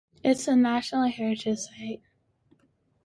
It is a national heritage site.